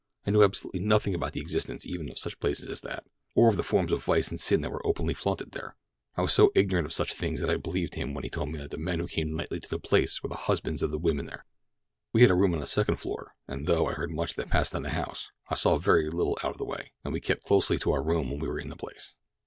I knew absolutely nothing about the existence even of such places as that, or of the forms of vice and sin that were openly flaunted there. I was so ignorant of such things that I believed him when he told me that the men who came nightly to the place were the husbands of the women there. We had a room on the second floor, and though I heard much that passed in the house, I saw very little out of the way, as we kept closely to our room when we were in the place."